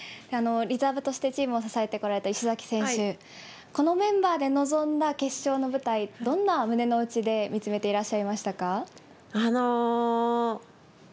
リザーブとしてチームを支えてこられた石崎選手、このメンバーで臨んだ決勝の舞台、どんな胸の内で見つめていらっしゃいましたか。